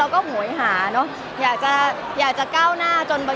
มันเป็นเรื่องน่ารักที่เวลาเจอกันเราต้องแซวอะไรอย่างเงี้ย